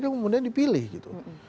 kemudian dipilih gitu